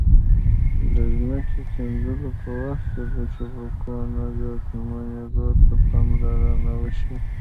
د ځمکې کیندلو په وخت کې د شبکو نه زیانمنېدو ته پاملرنه وشي.